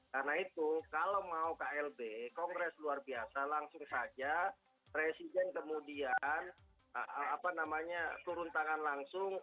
karena itu kalau mau klb kongres luar biasa langsung saja presiden kemudian turun tangan langsung